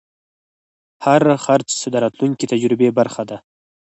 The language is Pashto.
هر خرڅ د راتلونکي تجربې برخه ده.